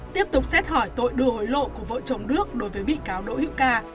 tiếp tục xét hỏi tội đưa hối lộ của vợ chồng đức đối với bị cáo đội hiệu ca